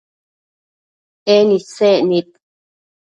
En isec nid